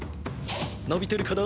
のびてるかな？